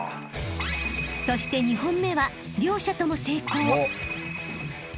［そして２本目は両者とも成功］